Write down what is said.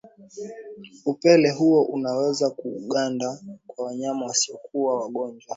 upele huo unaweza kuganda kwa wanyama wasiokuwa wagonjwa